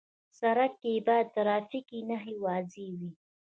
سړک کې باید ټرافیکي نښې واضح وي.